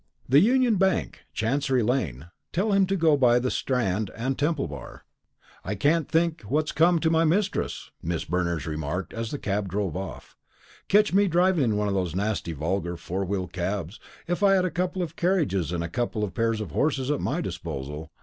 "The Union Bank, Chancery lane. Tell him to go by the Strand and Temple bar." "I can't think what's come to my mistress," Miss Berners remarked as the cab drove off. "Catch me driving in one of those nasty vulgar four wheel cabs, if I had a couple of carriages and a couple of pairs of horses at my disposal.